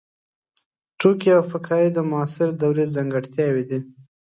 ټوکي او فکاهي د معاصرې دورې ځانګړتیاوې دي.